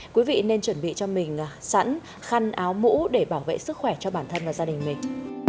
quý vị nên chuẩn bị cho mình sẵn khăn áo mũ để bảo vệ sức khỏe cho bản thân và gia đình mình